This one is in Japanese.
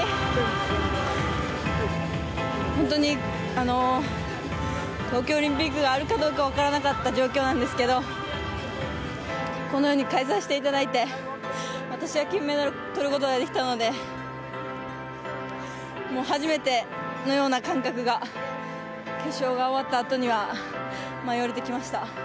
本当に東京オリンピックあるかどうか分からなかった状況なんですけどこのように開催していただいて私が金メダルをとることができたので初めてのような感覚が決勝が終わったあとには沸いてきました。